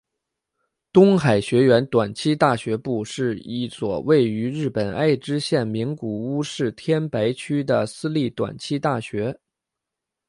东海学园短期大学部是一所位于日本爱知县名古屋市天白区的私立短期大学。